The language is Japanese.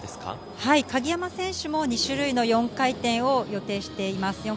鍵山選手も２種類の４回転を予定しています。